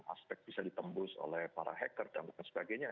aspek bisa ditembus oleh para hacker dan sebagainya